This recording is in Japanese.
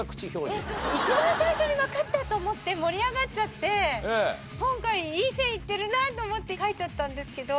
一番最初にわかった！と思って盛り上がっちゃって今回いい線いってるなと思って書いちゃったんですけど。